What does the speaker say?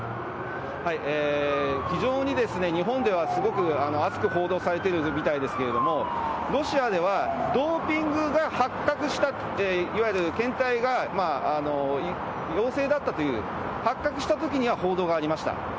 非常に日本ではすごく熱く報道されているみたいですけれども、ロシアでは、ドーピングが発覚した、いわゆる検体が陽性だったという、発覚したときには報道がありました。